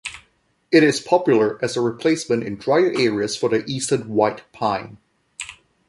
It is popular as a replacement in drier areas for the eastern white pine.